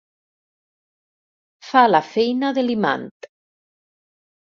Fa la feina de l'imant.